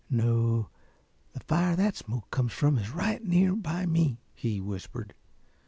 No, the fire that smoke comes from is right near by me," he whispered.